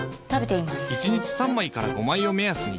１日３枚から５枚を目安に。